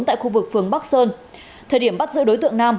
tại khu vực phường bắc sơn thời điểm bắt giữ đối tượng nam